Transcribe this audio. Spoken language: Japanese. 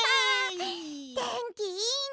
てんきいいね。